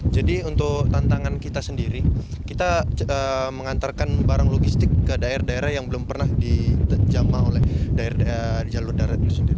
jadi untuk tantangan kita sendiri kita mengantarkan barang logistik ke daerah daerah yang belum pernah dijama oleh jalur darat